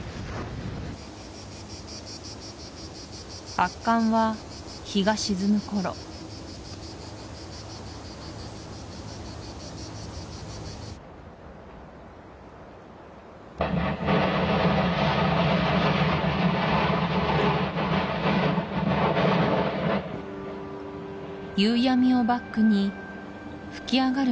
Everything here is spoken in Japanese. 圧巻は日が沈む頃夕闇をバックに噴き上がる